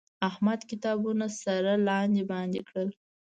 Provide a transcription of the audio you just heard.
احمد کتابونه سره لاندې باندې کړل.